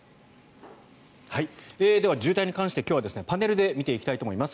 では、渋滞に関して今日はパネルで見ていきたいと思います。